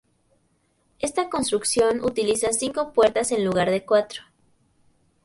Esta construcción utiliza cinco puertas en lugar de cuatro.